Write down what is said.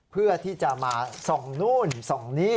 เพื่อที่จะมาส่องนู่นส่องนี่